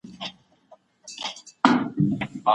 که خاوند د ميرمني ساتلو وړتيا نلري څه بايد وکړي؟